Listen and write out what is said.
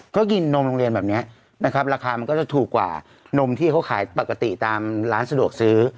ก็กินนมโรงเรียนแบบนี้นะครับราคามันก็จะถูกกว่านมที่เขาขายปกติตามร้านสะดวกซื้อ